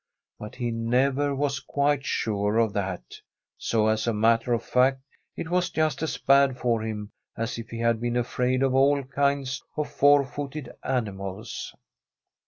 But he never was quite sure of that, so as a matter of fact it was just as bad for him as if he had been afraid of all kinds of four footed animals.